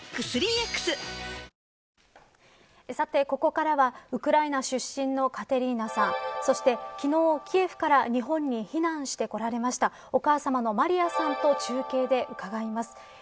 ここからはウクライナ出身のカテリーナさんそして昨日、キエフから日本に避難してこられましたお母さまのマリヤさんと中継で伺います。